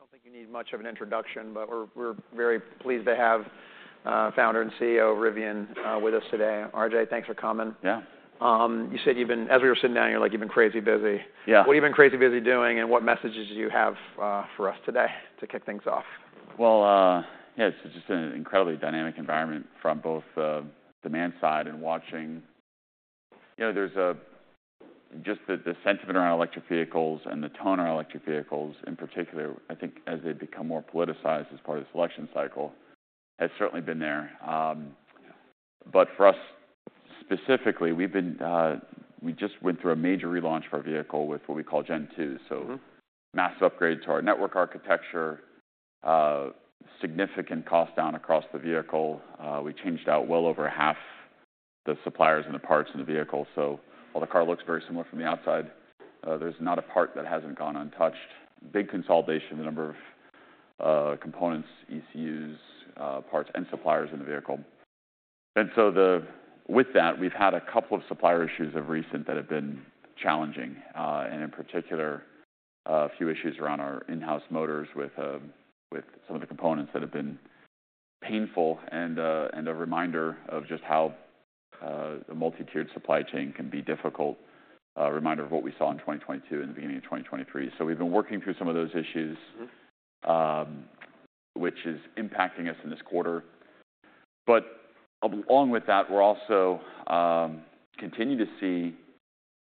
I don't think you need much of an introduction, but we're very pleased to have Founder and CEO of Rivian with us today. RJ, thanks for coming. Yeah. You said you've been, as we were sitting down, you're like, "You've been crazy busy. Yeah. What you've been crazy busy doing, and what messages do you have for us today to kick things off? Well, yeah, it's just an incredibly dynamic environment from both demand side and watching. You know, there's just the sentiment around electric vehicles and the tone around electric vehicles, in particular, I think as they become more politicized as part of this election cycle, has certainly been there. But for us specifically, we just went through a major relaunch of our vehicle with what we call Gen 2. Mm-hmm. So mass upgrade to our network architecture, significant cost down across the vehicle. We changed out well over half the suppliers and the parts in the vehicle. So while the car looks very similar from the outside, there's not a part that hasn't gone untouched. Big consolidation, the number of components, ECUs, parts, and suppliers in the vehicle. And so, with that, we've had a couple of supplier issues of recent that have been challenging, and in particular, a few issues around our in-house motors with some of the components that have been painful and a reminder of just how the multi-tiered supply chain can be difficult. A reminder of what we saw in 2022 and the beginning of 2023. So we've been working through some of those issues. Mm-hmm... which is impacting us in this quarter. But along with that, we're also continue to see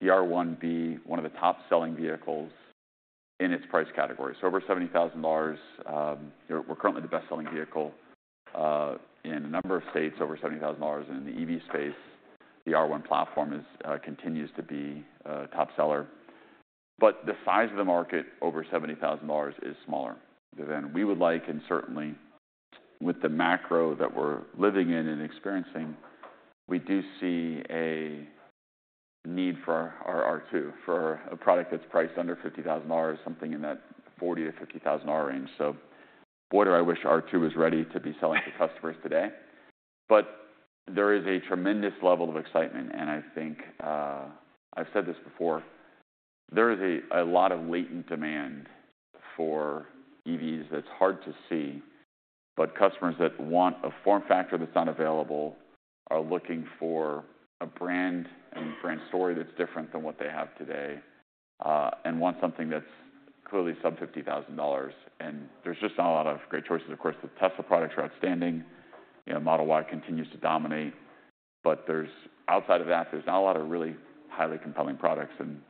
the R1 be one of the top-selling vehicles in its price category. So over $70,000, you know, we're currently the best-selling vehicle in a number of states over $70,000. And in the EV space, the R1 platform is continues to be a top seller. But the size of the market over $70,000 is smaller than we would like. And certainly, with the macro that we're living in and experiencing, we do see a need for our R2, for a product that's priced under $50,000, something in that $40,000-$50,000 range. So boy, do I wish R2 was ready to be selling to customers today. But there is a tremendous level of excitement, and I think, I've said this before, there is a lot of latent demand for EVs that's hard to see. But customers that want a form factor that's unavailable are looking for a brand and brand story that's different than what they have today, and want something that's clearly sub $50,000. And there's just not a lot of great choices. Of course, the Tesla products are outstanding. You know, Model Y continues to dominate, but there's outside of that, there's not a lot of really highly compelling products. And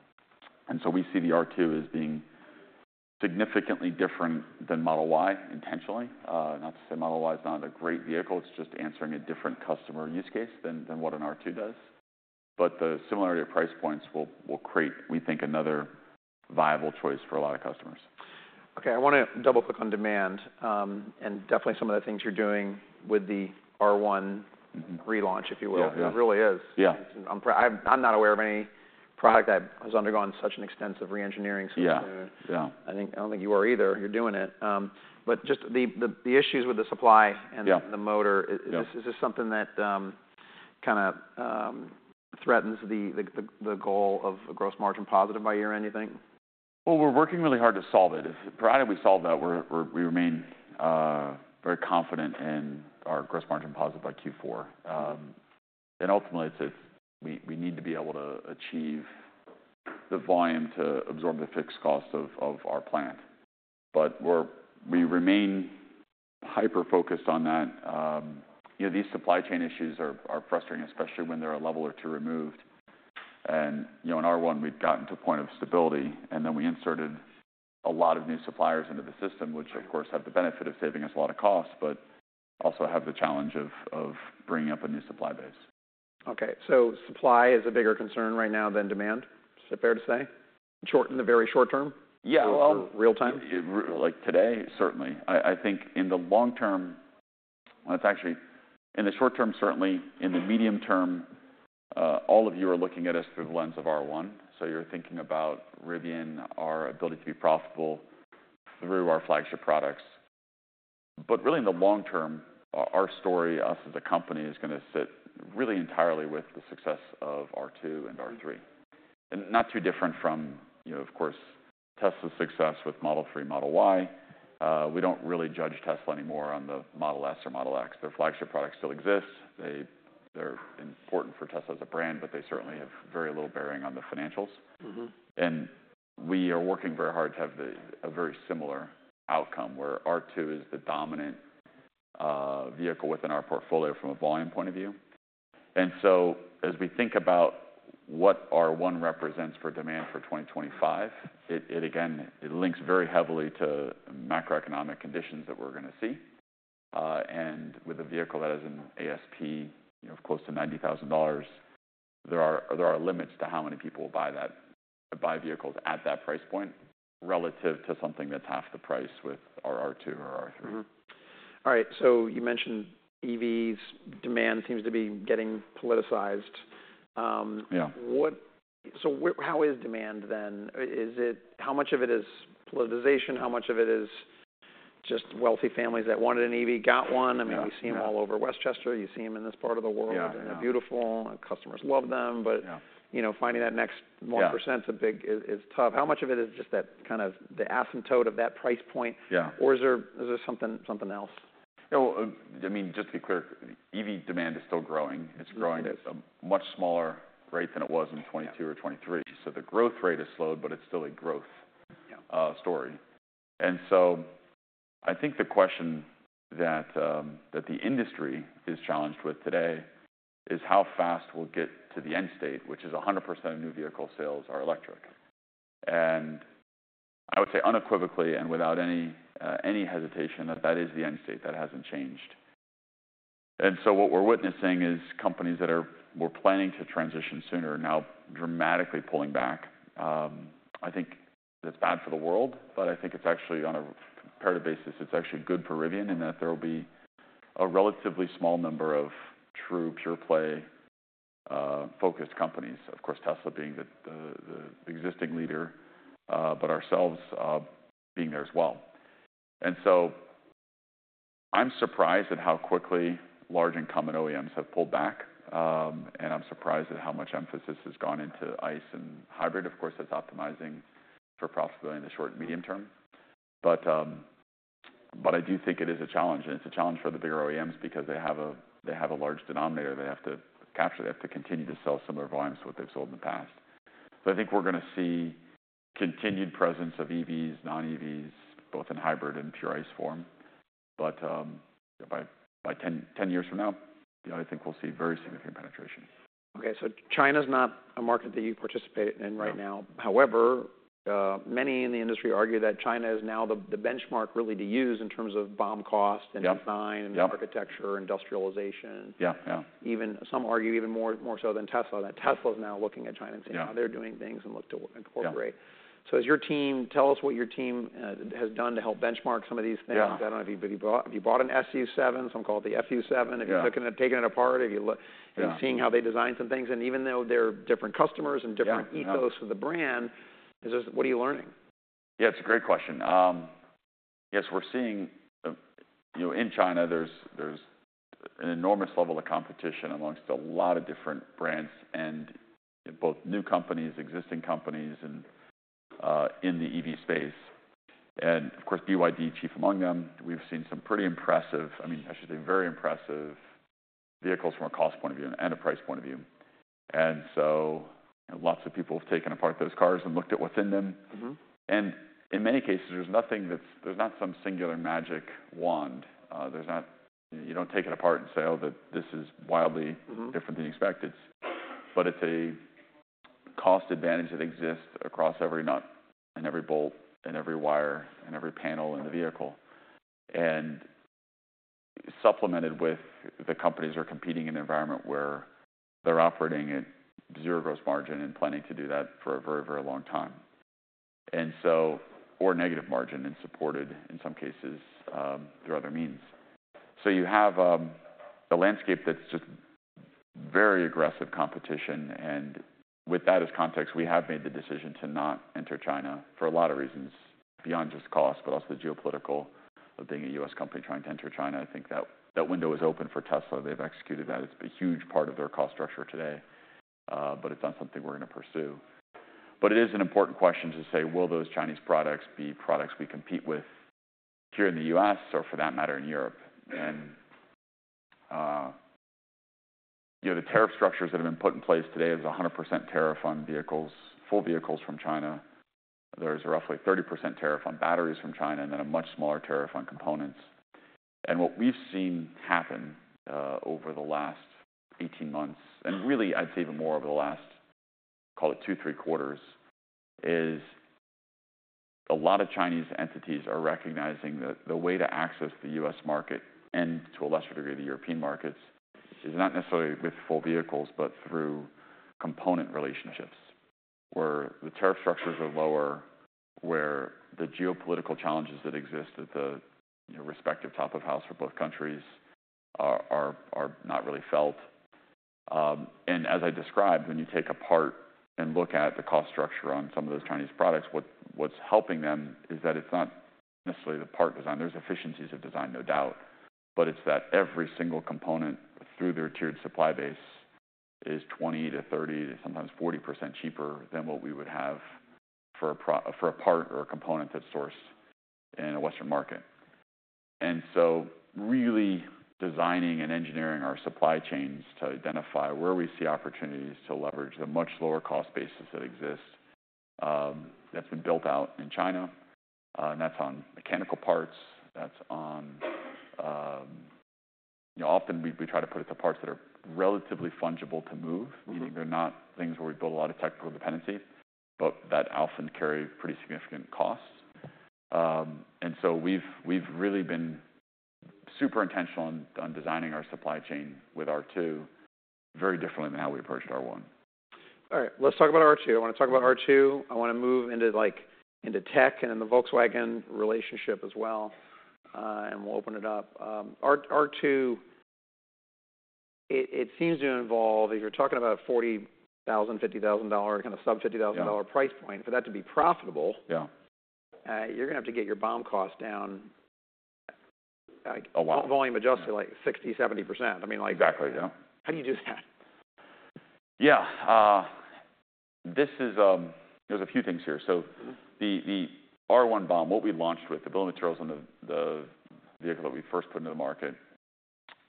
so we see the R2 as being significantly different than Model Y, intentionally. Not to say Model Y is not a great vehicle, it's just answering a different customer use case than what an R2 does. But the similarity of price points will create, we think, another viable choice for a lot of customers. Okay, I wanna double-click on demand, and definitely some of the things you're doing with the R1- Mm-hmm - relaunch, if you will. Yeah, yeah. It really is. Yeah. I'm not aware of any product that has undergone such an extensive reengineering since the- Yeah. Yeah... I think—I don't think you are either. You're doing it. But just the issues with the supply and- Yeah - the motor- Yeah Is this something that kind of threatens the goal of a gross margin positive by year-end, do you think? We're working really hard to solve it. If provided we solve that, we remain very confident in our gross margin positive by Q4. And ultimately, it's a... We need to be able to achieve the volume to absorb the fixed cost of our plant. But we remain hyper-focused on that. You know, these supply chain issues are frustrating, especially when they're a level or two removed. And you know, in R1, we've gotten to a point of stability, and then we inserted a lot of new suppliers into the system- Right - which of course have the benefit of saving us a lot of cost, but also have the challenge of bringing up a new supply base. Okay, so supply is a bigger concern right now than demand? Is it fair to say, in the very short term? Yeah, well- or real time? Like today, certainly. I think in the long term, well, it's actually in the short term, certainly, in the medium term, all of you are looking at us through the lens of R1. So you're thinking about Rivian, our ability to be profitable through our flagship products. But really, in the long term, our story, us as a company, is gonna sit really entirely with the success of R2 and R3. And not too different from, you know, of course, Tesla's success with Model 3, Model Y. We don't really judge Tesla anymore on the Model S or Model X. Their flagship product still exists. They're important for Tesla as a brand, but they certainly have very little bearing on the financials. Mm-hmm. We are working very hard to have a very similar outcome, where R2 is the dominant vehicle within our portfolio from a volume point of view. So, as we think about what R1 represents for demand for 2025, it again links very heavily to macroeconomic conditions that we're gonna see. With a vehicle that has an ASP, you know, close to $90,000, there are limits to how many people will buy vehicles at that price point relative to something that's half the price with our R2 or R3. Mm-hmm. All right, so you mentioned EVs demand seems to be getting politicized. Yeah... So how is demand then? Is it... How much of it is politicization? How much of it is just wealthy families that wanted an EV got one. Yeah, yeah. I mean, you see them all over Westchester, you see them in this part of the world. Yeah, I know. They're beautiful, and customers love them. Yeah. But, you know, finding that next 1%- Yeah is tough. How much of it is just that kind of the asymptote of that price point? Yeah. Or is there something else? Yeah, well, I mean, just to be clear, EV demand is still growing. Mm-hmm. It's growing at a much smaller rate than it was in 2022 or 2023. So the growth rate has slowed, but it's still a growth- Yeah Story. And so I think the question that, that the industry is challenged with today is how fast we'll get to the end state, which is 100% of new vehicle sales are electric. And I would say unequivocally and without any any hesitation, that that is the end state. That hasn't changed. And so what we're witnessing is companies that were planning to transition sooner are now dramatically pulling back. I think that's bad for the world, but I think it's actually, on a comparative basis, it's actually good for Rivian in that there will be a relatively small number of true, pure-play, focused companies. Of course, Tesla being the existing leader, but ourselves, being there as well. And so I'm surprised at how quickly large incumbent OEMs have pulled back, and I'm surprised at how much emphasis has gone into ICE and hybrid. Of course, that's optimizing for profitability in the short and medium term. But I do think it is a challenge, and it's a challenge for the bigger OEMs because they have a large denominator they have to capture. They have to continue to sell similar volumes to what they've sold in the past. So I think we're going to see continued presence of EVs, non-EVs, both in hybrid and pure ICE form. But by 10 years from now, you know, I think we'll see very significant penetration. Okay, so China's not a market that you participate in right now. Yeah. However, many in the industry argue that China is now the benchmark really to use in terms of BOM cost- Yep - and design- Yep and architecture, industrialization. Yeah, yeah. Even some argue even more so than Tesla that Tesla is now looking at China- Yeah and seeing how they're doing things and look to incorporate. Yeah. Tell us what your team has done to help benchmark some of these things. Yeah. I don't know if you bought an SU7, some call it the FU7- Yeah if you've looked at it, taken it apart, if you look Yeah and seeing how they designed some things. And even though they're different customers- Yeah, yeah and different ethos of the brand, is this... What are you learning? Yeah, it's a great question. Yes, we're seeing, you know, in China there's an enormous level of competition amongst a lot of different brands and both new companies, existing companies, and in the EV space, and of course, BYD, chief among them. We've seen some pretty impressive, I mean, I should say, very impressive vehicles from a cost point of view and a price point of view. And so lots of people have taken apart those cars and looked at what's in them. Mm-hmm. In many cases, there's not some singular magic wand. You don't take it apart and say, "Oh, that this is wildly- Mm-hmm different than you expected," but it's a cost advantage that exists across every nut and every bolt and every wire and every panel in the vehicle. And supplemented with the companies are competing in an environment where they're operating at zero gross margin and planning to do that for a very, very long time. And so or negative margin, and supported, in some cases, through other means. So you have a landscape that's just very aggressive competition. And with that as context, we have made the decision to not enter China for a lot of reasons beyond just cost, but also the geopolitical of being a US company trying to enter China. I think that that window is open for Tesla. They've executed that. It's a huge part of their cost structure today, but it's not something we're going to pursue. But it is an important question to say: Will those Chinese products be products we compete with here in the U.S. or, for that matter, in Europe? And, you know, the tariff structures that have been put in place today, there's a 100% tariff on vehicles, full vehicles from China. There's roughly 30% tariff on batteries from China, and then a much smaller tariff on components. And what we've seen happen over the last eighteen months, and really I'd say even more over the last, call it two, three quarters, is a lot of Chinese entities are recognizing that the way to access the U.S. market and, to a lesser degree, the European markets, is not necessarily with full vehicles, but through component relationships, where the tariff structures are lower, where the geopolitical challenges that exist at the, you know, respective top of house for both countries are not really felt. And as I described, when you take apart and look at the cost structure on some of those Chinese products, what's helping them is that it's not necessarily the part design. There's efficiencies of design, no doubt, but it's that every single component through their tiered supply base is 20% to 30%, sometimes 40% cheaper than what we would have for a part or a component that's sourced in a Western market. And so really designing and engineering our supply chains to identify where we see opportunities to leverage the much lower cost basis that exists, that's been built out in China, and that's on mechanical parts, that's on. You know, often we try to put it to parts that are relatively fungible to move. Mm-hmm. Meaning, they're not things where we build a lot of technical dependencies, but that often carry pretty significant costs, and so we've really been super intentional on designing our supply chain with R2 very differently than how we approached R1. All right, let's talk about R2. I want to talk about R2. I want to move into, like, into tech and in the Volkswagen relationship as well, and we'll open it up. R2 it seems to involve, if you're talking about a $40,000-$50,000, kind of sub-$50,000- Yeah price point, for that to be profitable- Yeah You're gonna have to get your BOM cost down, like- A lot volume adjusted, like 60%-70%. I mean, like- Exactly, yeah. How do you do that? Yeah, this is... There's a few things here. So- Mm-hmm The R1 BOM, what we launched with, the bill of materials on the vehicle that we first put into the market,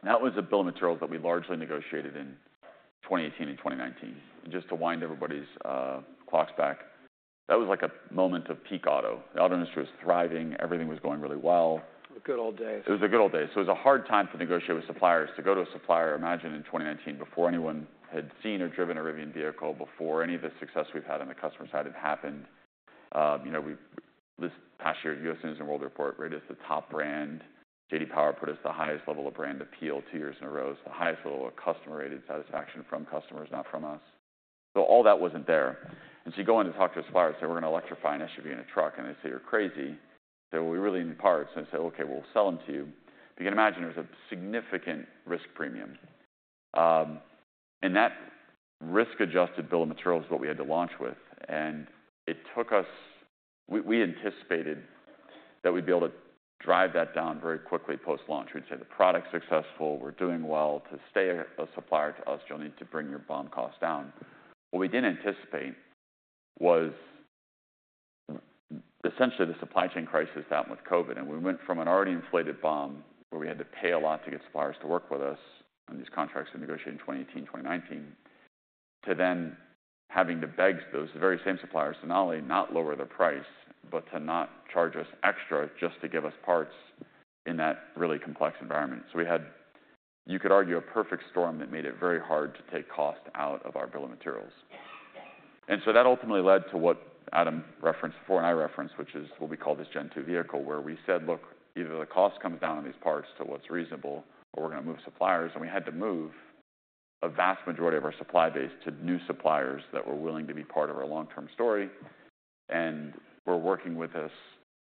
that was a bill of materials that we largely negotiated in twenty eighteen and twenty nineteen. Just to wind everybody's clocks back, that was like a moment of peak auto. The auto industry was thriving. Everything was going really well. The good old days. It was the good old days. So it was a hard time to negotiate with suppliers. To go to a supplier, imagine in twenty nineteen, before anyone had seen or driven a Rivian vehicle, before any of the success we've had on the customer side had happened. You know, this past year, U.S. News & World Report rated us the top brand. J.D. Power put us the highest level of brand appeal two years in a row. It's the highest level of customer-rated satisfaction from customers, not from us. So all that wasn't there, and so you go in to talk to a supplier and say, "We're going to electrify an SUV and a truck," and they'd say, "You're crazy." So we really need parts, and they'd say, "Okay, we'll sell them to you." But you can imagine it was a significant risk premium. And that risk-adjusted bill of materials is what we had to launch with, and it took us. We anticipated that we'd be able to drive that down very quickly post-launch. We'd say, "The product's successful. We're doing well. To stay a supplier to us, you'll need to bring your BOM cost down." What we didn't anticipate was essentially the supply chain crisis that happened with COVID, and we went from an already inflated BOM, where we had to pay a lot to get suppliers to work with us on these contracts we negotiated in 2018, 2019, to then having to beg those very same suppliers to not only not lower their price, but to not charge us extra just to give us parts in that really complex environment. So we had, you could argue, a perfect storm that made it very hard to take cost out of our bill of materials. And so that ultimately led to what Adam referenced before, and I referenced, which is what we call this Gen 2 vehicle, where we said, "Look, either the cost comes down on these parts to what's reasonable, or we're going to move suppliers." And we had to move a vast majority of our supply base to new suppliers that were willing to be part of our long-term story and were working with us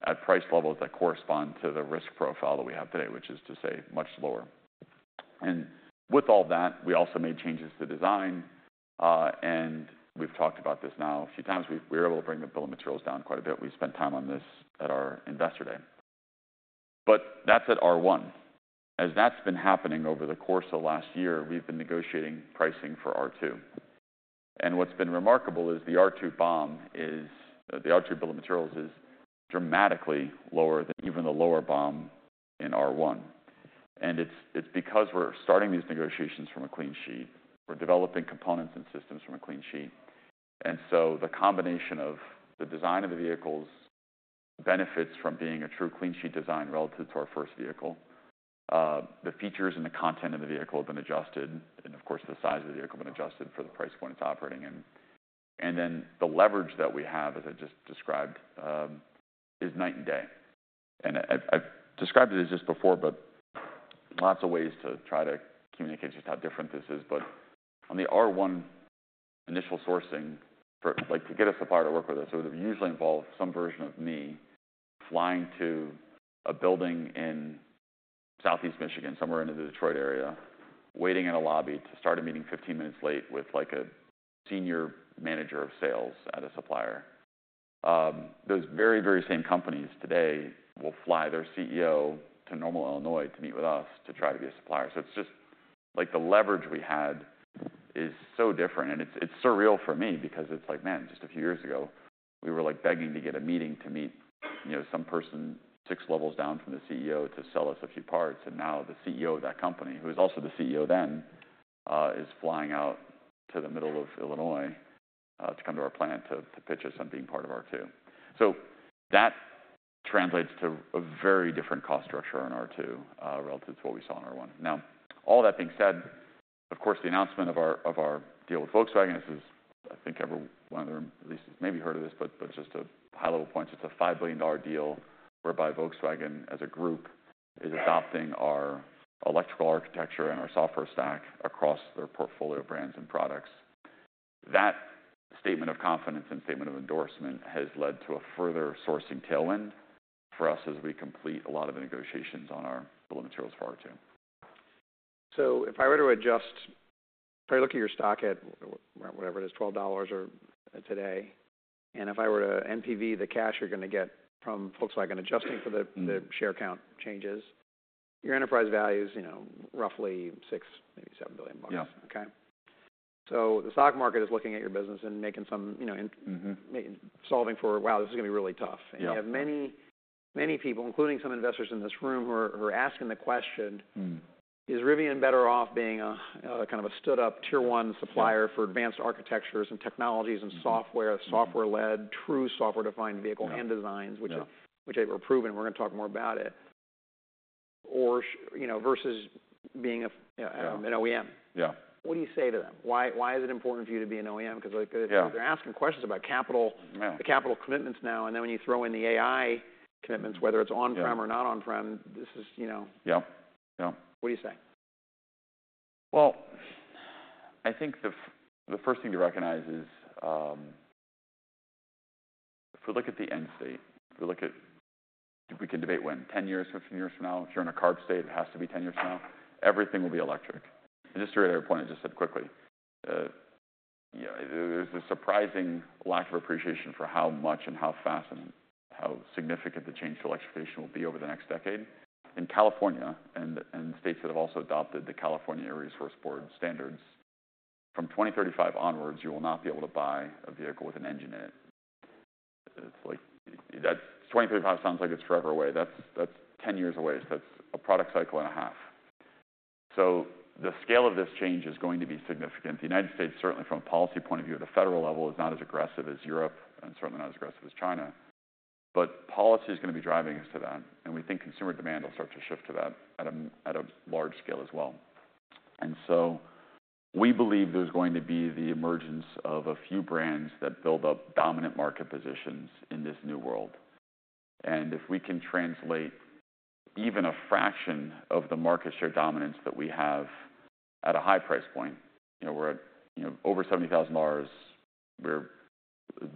at price levels that correspond to the risk profile that we have today, which is to say, much lower. And with all that, we also made changes to design, and we've talked about this now a few times. We were able to bring the bill of materials down quite a bit. We spent time on this at our Investor Day, but that's at R1. As that's been happening over the course of last year, we've been negotiating pricing for R2. What's been remarkable is the R2 BOM, the R2 bill of materials, is dramatically lower than even the lower BOM in R1. It's because we're starting these negotiations from a clean sheet. We're developing components and systems from a clean sheet. The combination of the design of the vehicles benefits from being a true clean sheet design relative to our first vehicle. The features and the content of the vehicle have been adjusted, and of course, the size of the vehicle has been adjusted for the price point it's operating in. Then the leverage that we have, as I just described, is night and day. I've described it as just before, but lots of ways to try to communicate just how different this is, but on the R1 initial sourcing, like, to get a supplier to work with us, it would usually involve some version of me flying to a building in Southeast Michigan, somewhere in the Detroit area, waiting in a lobby to start a meeting fifteen minutes late with, like, a senior manager of sales at a supplier. Those very, very same companies today will fly their CEO to Normal, Illinois, to meet with us to try to be a supplier. It's just... Like, the leverage we had is so different, and it's surreal for me because it's like, man, just a few years ago, we were, like, begging to get a meeting to meet, you know, some person six levels down from the CEO to sell us a few parts. And now the CEO of that company, who was also the CEO then, is flying out to the middle of Illinois to come to our plant to pitch us on being part of R2. So that translates to a very different cost structure on R2 relative to what we saw on R1. Now, all that being said, of course, the announcement of our deal with Volkswagen. This is, I think, everyone at least maybe heard of this, but just a high-level point. It's a $5 billion deal whereby Volkswagen, as a group, is adopting our electrical architecture and our software stack across their portfolio of brands and products. That statement of confidence and statement of endorsement has led to a further sourcing tailwind for us as we complete a lot of the negotiations on our bill of materials for R2. So if I were to adjust, if I look at your stock at whatever it is, $12 today, and if I were to NPV the cash you're going to get from Volkswagen, adjusting for the- Mm-hmm The share count changes, your enterprise value is, you know, roughly $6-$7 billion. Yeah. Okay? So the stock market is looking at your business and making some, you know, in- Mm-hmm solving for, "Wow, this is going to be really tough. Yeah. And you have many, many people, including some investors in this room, who are asking the question- Mm-hmm Is Rivian better off being a kind of a stood-up Tier 1 supplier? Yeah For advanced architectures and technologies. Mm-hmm and software Mm-hmm software-led, true software-defined vehicle- Yeah and designs? Yeah. Which they've proven, and we're going to talk more about it. Yeah - an OEM. Yeah. What do you say to them? Why, why is it important for you to be an OEM? 'Cause like, Yeah... they're asking questions about capital- Yeah the capital commitments now, and then when you throw in the AI commitments, whether it's on- Yeah on-prem or not on-prem, this is, you know... Yep. Yeah. What do you say? I think the first thing to recognize is, if we look at the end state, if we can debate when, 10 years, 15 years from now, if you're in a CARB state, it has to be 10 years from now, everything will be electric. Just to reiterate a point I just said quickly, yeah, there's a surprising lack of appreciation for how much and how fast and how significant the change to electrification will be over the next decade. In California and states that have also adopted the California Air Resources Board standards, from twenty thirty-five onwards, you will not be able to buy a vehicle with an engine in it. It's like that twenty thirty-five sounds like it's forever away. That's ten years away, so that's a product cycle and a half. The scale of this change is going to be significant. The United States, certainly from a policy point of view at the federal level, is not as aggressive as Europe and certainly not as aggressive as China, but policy is going to be driving us to that, and we think consumer demand will start to shift to that at a, at a large scale as well. We believe there's going to be the emergence of a few brands that build up dominant market positions in this new world. If we can translate even a fraction of the market share dominance that we have at a high price point, you know, we're at, you know, over $70,000, we're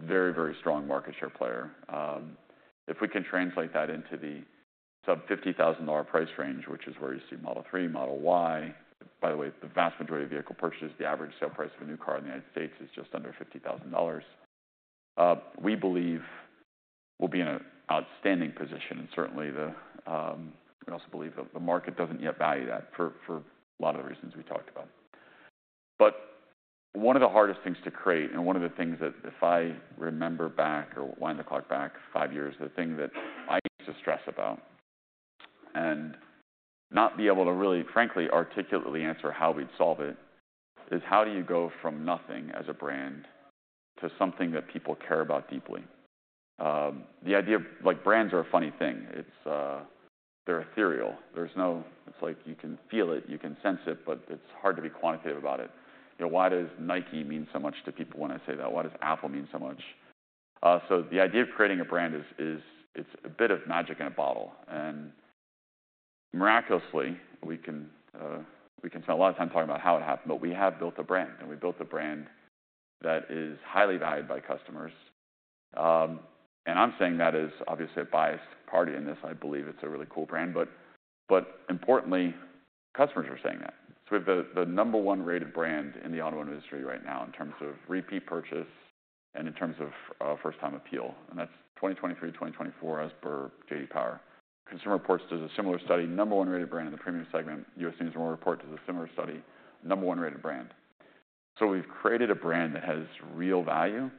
very, very strong market share player. If we can translate that into the sub-$50,000 price range, which is where you see Model 3, Model Y. By the way, the vast majority of vehicle purchases, the average sale price of a new car in the United States is just under $50,000. We believe we'll be in an outstanding position, and certainly the. We also believe that the market doesn't yet value that for, for a lot of the reasons we talked about. But one of the hardest things to create, and one of the things that if I remember back, or wind the clock back five years, the thing that I used to stress about and not be able to really, frankly, articulately answer how we'd solve it, is how do you go from nothing as a brand to something that people care about deeply? The idea of, like, brands are a funny thing. It's, they're ethereal. It's like you can feel it, you can sense it, but it's hard to be quantitative about it. You know, why does Nike mean so much to people when I say that? Why does Apple mean so much? So the idea of creating a brand is, it's a bit of magic in a bottle, and miraculously we can spend a lot of time talking about how it happened, but we have built a brand, and we built a brand that is highly valued by customers. And I'm saying that as obviously a biased party in this. I believe it's a really cool brand, but importantly, customers are saying that. So we have the number one rated brand in the auto industry right now in terms of repeat purchase and in terms of first-time appeal, and that's 2023, 2024, as per J.D. Power. Consumer Reports does a similar study, number one rated brand in the premium segment. U.S. News & World Report does a similar study, number one rated brand. So we've created a brand that has real value.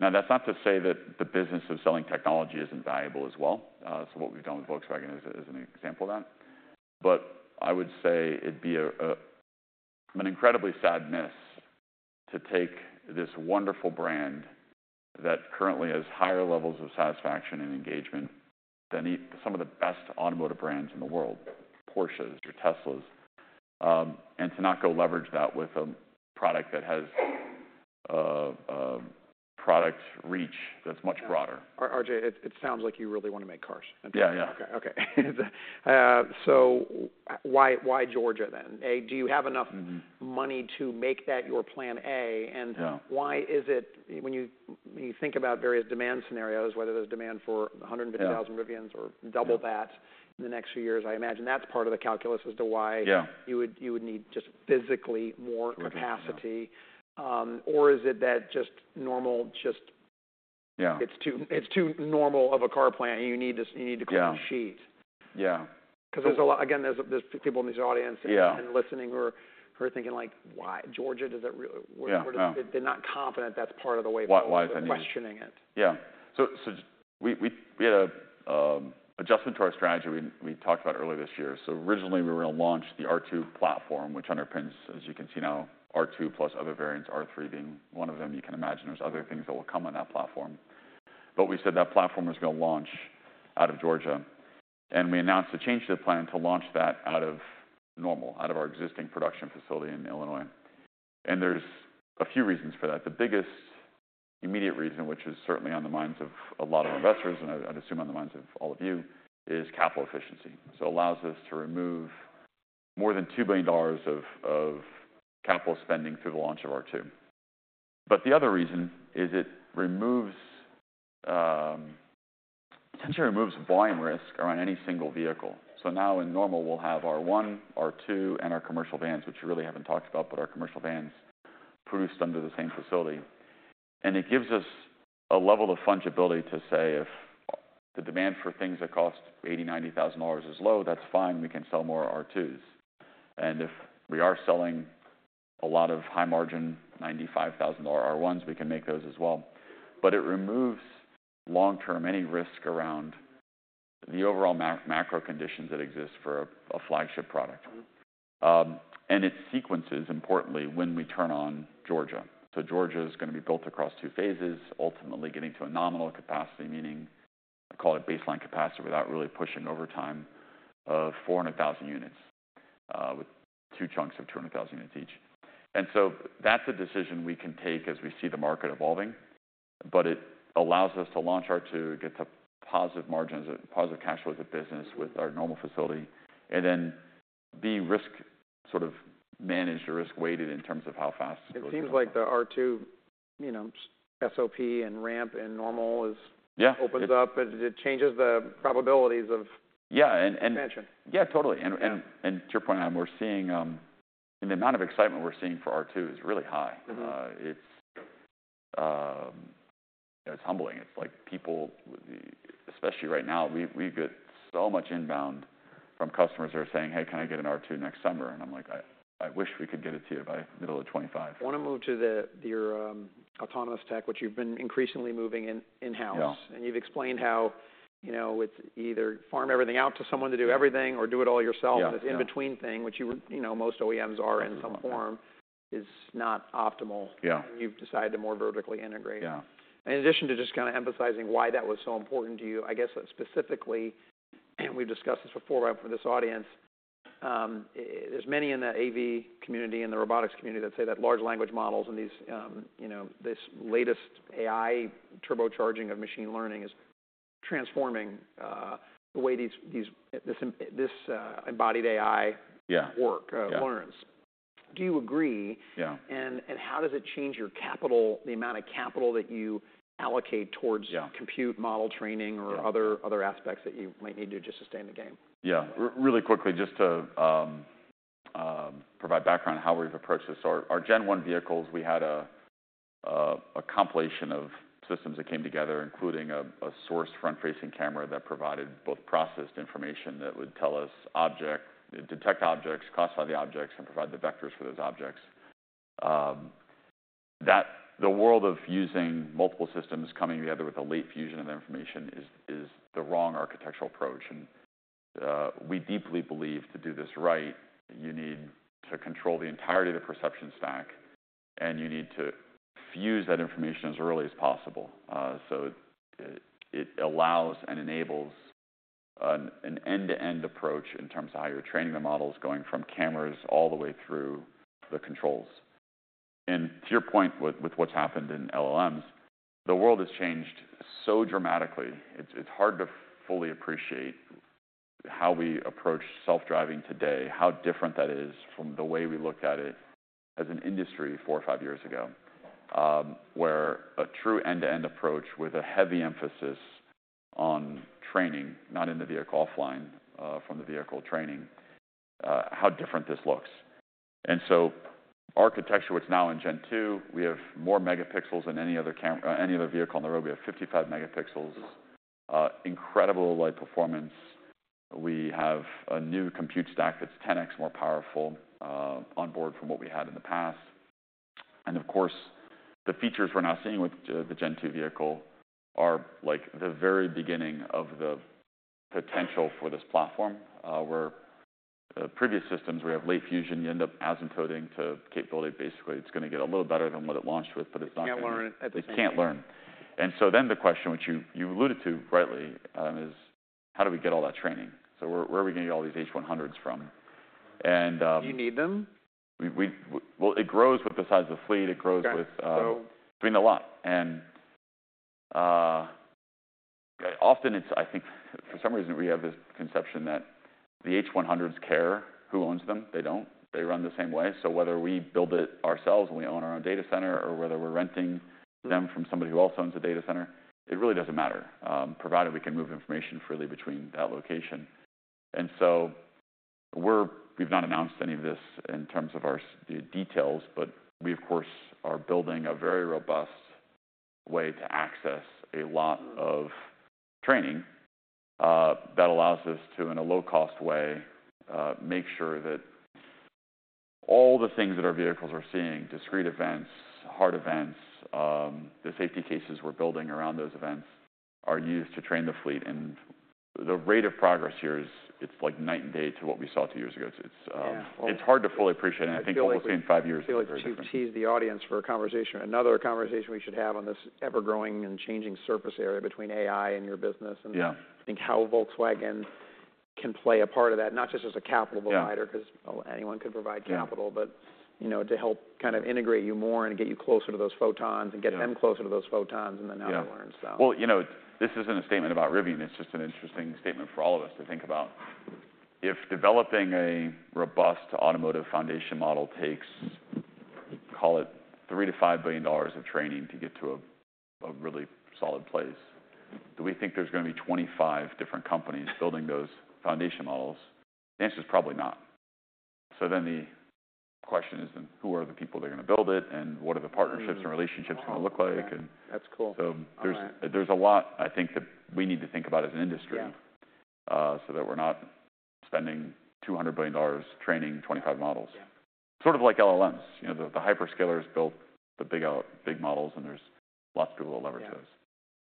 Now, that's not to say that the business of selling technology isn't valuable as well. So what we've done with Volkswagen is an example of that. But I would say it'd be a an incredibly sad miss to take this wonderful brand that currently has higher levels of satisfaction and engagement than some of the best automotive brands in the world, Porsches or Teslas, and to not go leverage that with a product that has product reach that's much broader. RJ, it sounds like you really want to make cars. Yeah. Yeah. Okay. Okay. So why Georgia then? Do you have enough- Mm-hmm. Money to make that your plan A? Yeah. Why is it when you think about various demand scenarios, whether there's demand for one hundred and fifty thousand- Yeah Rivians or double that in the next few years, I imagine that's part of the calculus as to why. Yeah... you would need just physically more capacity. Yeah. or is it that just normal? Yeah... It's too normal of a car plant, and you need to- Yeah... clean the sheet. Yeah. 'Cause there's a lot... Again, there's people in this audience- Yeah... and listening or thinking like, "Why Georgia? Does it really? Yeah. Yeah. They're not confident that's part of the way- Why it's any- -questioning it. Yeah. We had an adjustment to our strategy we talked about earlier this year. Originally, we were going to launch the R2 platform, which underpins, as you can see now, R2 plus other variants, R3 being one of them. You can imagine there's other things that will come on that platform. We said that platform was going to launch out of Georgia, and we announced a change to the plan to launch that out of Normal, out of our existing production facility in Illinois. There's a few reasons for that. The biggest immediate reason, which is certainly on the minds of a lot of investors, and I'd assume on the minds of all of you, is capital efficiency. It allows us to remove more than $2 billion of capital spending through the launch of R2. But the other reason is it removes, essentially removes volume risk around any single vehicle. So now in Normal, we'll have R1, R2, and our commercial vans, which we really haven't talked about, but our commercial vans produced under the same facility. And it gives us a level of fungibility to say if the demand for things that cost $80,000-$90,000 is low, that's fine, we can sell more R2s. And if we are selling a lot of high margin, $95,000 R1s, we can make those as well. But it removes, long-term, any risk around the overall macro conditions that exist for a flagship product. And it sequences, importantly, when we turn on Georgia. So Georgia is going to be built across two phases, ultimately getting to a nominal capacity, meaning, I call it baseline capacity, without really pushing overtime of four hundred thousand units, with two chunks of two hundred thousand units each. And so that's a decision we can take as we see the market evolving, but it allows us to launch R2, get to positive margins and positive cash flows of business with our Normal facility, and then be risk sort of managed or risk-weighted in terms of how fast- It seems like the R2, you know, SOP and ramp and Normal is- Yeah opens up, and it changes the probabilities of- Yeah, and- -expansion. Yeah, totally. And to your point, the amount of excitement we're seeing for R2 is really high. Mm-hmm. It's humbling. It's like people, especially right now, we get so much inbound from customers that are saying, "Hey, can I get an R2 next summer?" And I'm like: I wish we could get it to you by middle of 2025. I wanna move to your autonomous tech, which you've been increasingly moving in-house. Yeah. You've explained how, you know, it's either farm everything out to someone to do everything or do it all yourself. Yeah, yeah. and this in-between thing, which you would, you know, most OEMs are in some form, is not optimal. Yeah. You've decided to more vertically integrate. Yeah. In addition to just kind of emphasizing why that was so important to you, I guess specifically, and we've discussed this before for this audience, there's many in the AV community and the robotics community that say that large language models and these, you know, this latest AI turbocharging of machine learning is transforming the way this embodied AI- Yeah... work, Yeah learns. Do you agree? Yeah. How does it change your capital, the amount of capital that you allocate towards- Yeah - compute model training or- Yeah other aspects that you might need to just stay in the game? Yeah. Really quickly, just to provide background on how we've approached this, so our Gen one vehicles, we had a compilation of systems that came together, including a single front-facing camera that provided both processed information that would detect objects, classify the objects, and provide the vectors for those objects. The world of using multiple systems coming together with a late fusion of information is the wrong architectural approach, and we deeply believe to do this right, you need to control the entirety of the perception stack, and you need to fuse that information as early as possible, so it allows and enables an end-to-end approach in terms of how you're training the models, going from cameras all the way through the controls. And to your point, with what's happened in LLMs, the world has changed so dramatically. It's hard to fully appreciate how we approach self-driving today, how different that is from the way we looked at it as an industry four or five years ago. Where a true end-to-end approach with a heavy emphasis on training, not in the vehicle, offline, from the vehicle training, how different this looks. And so architecture, what's now in Gen 2, we have more megapixels than any other camera, any other vehicle on the road. We have 55 megapixels, incredible light performance. We have a new compute stack that's 10X more powerful on board from what we had in the past. And of course, the features we're now seeing with the Gen 2 vehicle are like the very beginning of the potential for this platform. Where previous systems, we have late fusion, you end up as encoding to capability. Basically, it's gonna get a little better than what it launched with, but it's not- It can't learn at the same- It can't learn. And so then the question, which you alluded to rightly, is: How do we get all that training? So where are we gonna get all these H one hundreds from? And, Do you need them? Well, it grows with the size of the fleet. Okay. It grows with, I mean, a lot. And, often it's I think for some reason, we have this conception that the H one hundreds care who owns them. They don't. They run the same way. So whether we build it ourselves and we own our own data center, or whether we're renting them from somebody who also owns a data center, it really doesn't matter, provided we can move information freely between that location. And so we've not announced any of this in terms of our details, but we, of course, are building a very robust way to access a lot of training, that allows us to, in a low-cost way, make sure that all the things that our vehicles are seeing, discrete events, hard events, the safety cases we're building around those events, are used to train the fleet. And the rate of progress here is, it's like night and day to what we saw two years ago. It's Yeah. It's hard to fully appreciate, and I feel like in five years-... I feel like to tease the audience for a conversation, another conversation we should have on this ever-growing and changing surface area between AI and your business. Yeah - and I think how Volkswagen can play a part of that, not just as a capital provider- Yeah - 'cause anyone could provide capital- Yeah but, you know, to help kind of integrate you more and get you closer to those photons- Yeah and get them closer to those photons, and then now they learn, so. Yeah. Well, you know, this isn't a statement about Rivian. It's just an interesting statement for all of us to think about. If developing a robust automotive foundation model takes, call it, $3-$5 billion of training to get to a, a really solid place, do we think there's gonna be 25 different companies building those foundation models? The answer is probably not. So then the question is: Then who are the people that are gonna build it, and what are the partnerships- Mm. and relationships gonna look like? Yeah. That's cool. So there's- All right... there's a lot I think that we need to think about as an industry- Yeah so that we're not spending $200 billion training 25 models. Yeah. Sort of like LLMs. You know, the hyperscalers built the big, big models, and there's lots of little levers to this. Yeah.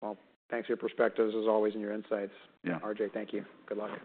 Well, thanks for your perspectives as always, and your insights. Yeah. RJ, thank you. Good luck.